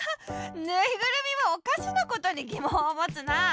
ぬいぐるみもおかしなことにぎもんをもつなあ。